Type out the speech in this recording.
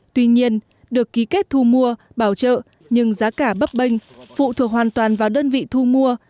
tuy nhiên được ký kết thu mua bảo trợ nhưng giá cả bấp bênh phụ thuộc hoàn toàn vào đơn vị thu mua